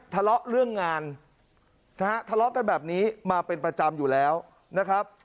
ทะเลาะเรื่องงานนะฮะทะเลาะกันแบบนี้มาเป็นประจำอยู่แล้วนะครับ